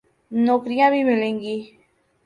نوکریاں بھی ملیں گی۔